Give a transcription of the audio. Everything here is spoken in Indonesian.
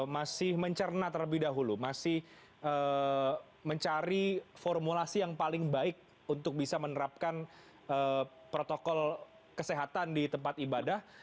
masih mencerna terlebih dahulu masih mencari formulasi yang paling baik untuk bisa menerapkan protokol kesehatan di tempat ibadah